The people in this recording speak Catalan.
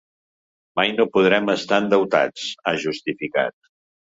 Mai no podrem estar endeutats, ha justificat.